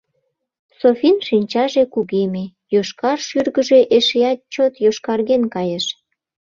Софин шинчаже кугеме, йошкар шӱргыжӧ эшеат чот йошкарген кайыш.